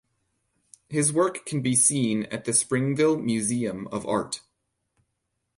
His work can be seen at the Springville Museum of Art.